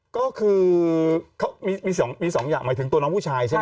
ก็คือเขามี๒อย่างหมายถึงตัวน้องผู้ชายใช่ไหม